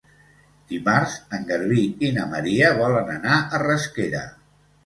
Dimarts en Garbí i na Maria volen anar a Rasquera.